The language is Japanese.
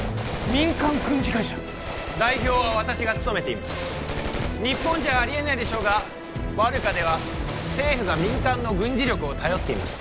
民間軍事会社代表は私が務めています日本じゃありえないでしょうがバルカでは政府が民間の軍事力を頼っています